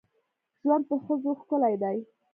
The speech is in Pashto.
ژوند په ښځو ښکلی ده.